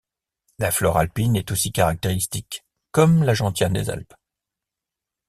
La flore alpine est aussi caractéristique, comme la gentiane des Alpes.